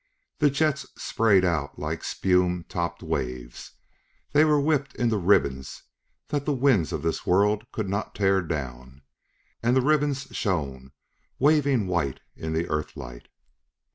The jets sprayed out like spume topped waves; they were whipped into ribbons that the winds of this world could not tear down, and the ribbons shone, waving white in the earthlight.